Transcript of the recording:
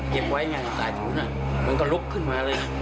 เก็บไว้อย่างสายถุ้นมันก็ลุกขึ้นมาเลย